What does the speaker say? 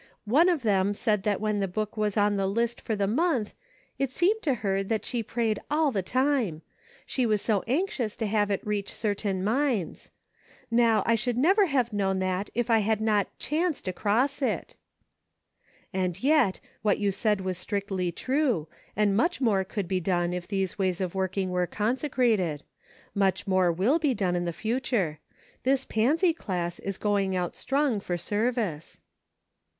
One of 330 "THAT BEATS ME !" them said when that book was in the list for the month, it seemed to her that she prayed all the f time ; she was so anxious to have it reach certain minds. Now I should never have known that if I hadn't just cAanced a.cross it." " And yet, what you said was strictly true, and much more could be done if all these ways of work ing were consecrated. Much more will be done in the future. This Pansy Class is going out strong for service."